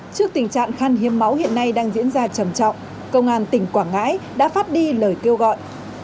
trước tình trạng khăn hiếm máu hiện nay đang diễn ra trầm trọng công an tỉnh quảng ngãi đã phát đi lời kêu gọi